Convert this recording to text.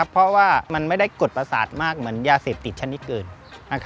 เพราะว่ามันไม่ได้กดประสาทมากเหมือนยาเสพติดชนิดอื่น